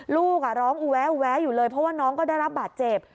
ลูกร้องอูแวะแวะอยู่เลยเพราะว่าน้องก็ได้รับบาดเจ็บ